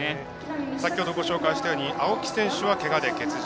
先ほどご紹介したように青木選手はけがで欠場。